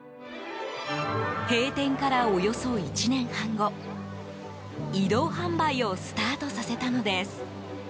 閉店からおよそ１年半後移動販売をスタートさせたのです。